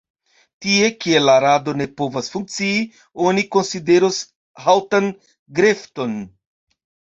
Tie, kie la rado ne povas funkcii, oni konsideros haŭtan grefton.